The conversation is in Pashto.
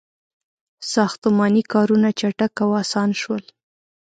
• ساختماني کارونه چټک او آسان شول.